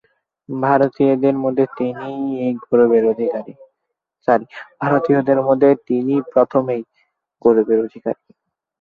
ভারতীয়দের মধ্যে তিনিই প্রথম এই গৌরবের অধিকারী।